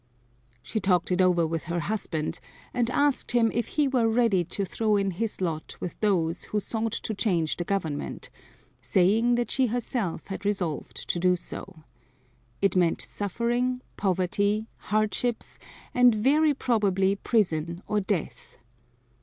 She talked it over with her husband and asked him if he were ready to throw in his lot with those who sought to change the government, saying that she herself had resolved to do so. It meant suffering, poverty, hardships and very probably prison or death.